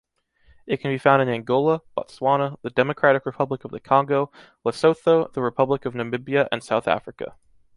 It can be found in Angola, Botswana, the Democratic Republic of the Congo, Lesotho, the Republic of Namibia and South Africa.